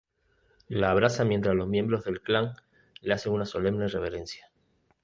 La abraza mientras los miembros del clan le hacen una solemne reverencia.